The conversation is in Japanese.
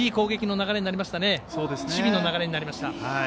いい守備の流れになりました。